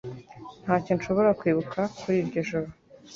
Ntacyo nshobora kwibuka kuri iryo joro